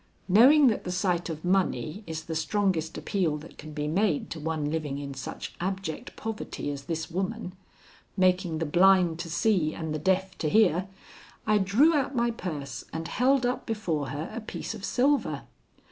Knowing that the sight of money is the strongest appeal that can be made to one living in such abject poverty as this woman, making the blind to see and the deaf to hear, I drew out my purse and held up before her a piece of silver.